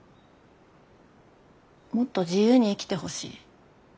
もっと自由に生きてほしい。